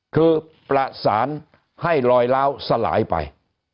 คือประสานให้ลอยล้าวสลายไป